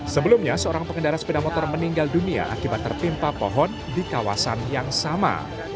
sebelumnya seorang pengendara sepeda motor meninggal dunia akibat tertimpa pohon di kawasan yang sama